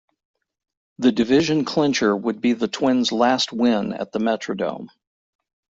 The division clincher would be the Twins' last win at the Metrodome.